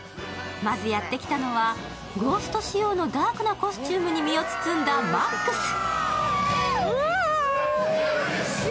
まずやってきたのは、ゴースト仕様のダークなコスチュームに身を包んだマックス。